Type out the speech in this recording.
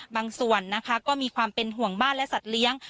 บางส่วนนะคะก็มีความเป็นห่วงบ้านและสัตว์เลี้ยง